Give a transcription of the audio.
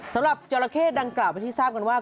สำหรับเจ้าละเข้ดังกล่าวที่ทราบกันว่า